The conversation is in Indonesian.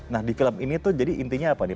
nah di film ini tuh jadi intinya apa nih